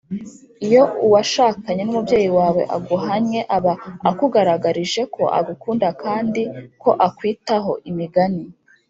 Iyo uwashakanye n umubyeyi wawe aguhannye aba akugaragarije ko agukunda kandi ko akwitaho Imigani